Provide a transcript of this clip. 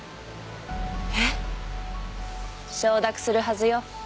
えっ？承諾するはずよ。